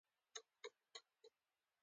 ارزښتونه د انسان د هویت محور دي.